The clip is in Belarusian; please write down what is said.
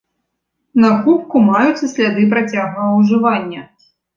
На кубку маюцца сляды працяглага ўжывання.